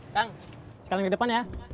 kang sekarang di depan ya